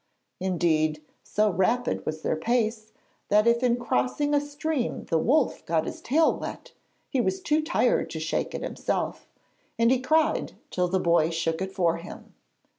Indeed, so rapid was their pace that if in crossing a stream the wolf got his tail wet, he was too tired to shake it himself, and he cried till the boy shook it for him.